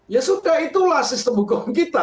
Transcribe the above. ya sudah itulah sistem hukum kita